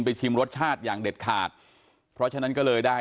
ชิมรสชาติอย่างเด็ดขาดเพราะฉะนั้นก็เลยได้